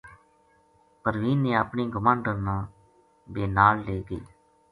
پروین نے اپنی گماہنڈن نا بے نال لے گئی